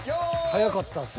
［速かったっす］